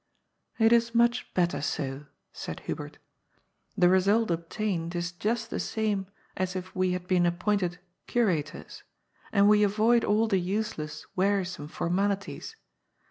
" It is much better so," said Hubert. " The result ob tained is just the same as if we had been appointed cura tors, and we avoid all the useless, wearisome formalities.